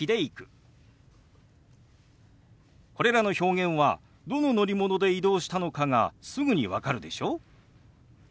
これらの表現はどの乗り物で移動したのかがすぐに分かるでしょ？